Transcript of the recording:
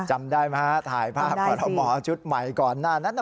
จำได้ไหมฮะถ่ายภาพกรทมชุดใหม่ก่อนหน้านั้น